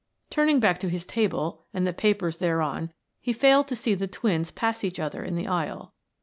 Turning back to his table and the papers thereon he failed to see the twins pass each other in the aisle.